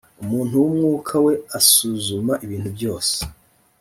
umuntu w’umwuka we asuzuma ibintu byose